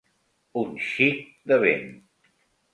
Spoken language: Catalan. Un xic de vent.